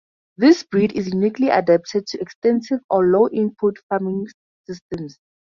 This breed is uniquely adapted to extensive or low input farming systems.